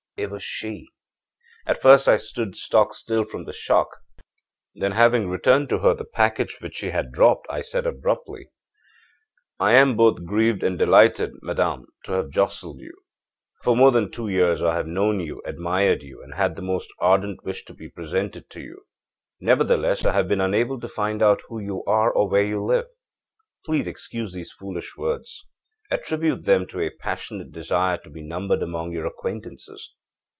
It was she! âAt first I stood stock still from the shock; then having returned to her the package which she had dropped, I said abruptly: â'I am both grieved and delighted, madame, to have jostled you. For more than two years I have known you, admired you, and had the most ardent wish to be presented to you; nevertheless I have been unable to find out who you are, or where you live. Please excuse these foolish words. Attribute them to a passionate desire to be numbered among your acquaintances.